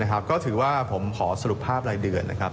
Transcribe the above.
ก็ถือว่าผมขอสรุปภาพรายเดือนนะครับ